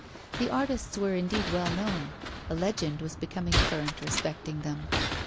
The artists were indeed well known; a legend was becoming current respecting them.